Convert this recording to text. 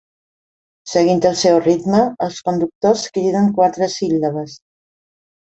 Seguint el seu ritme, els conductors criden quatre síl·labes.